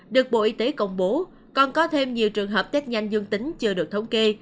được bộ y tế công bố còn có thêm nhiều trường hợp tết nhanh dương tính chưa được thống kê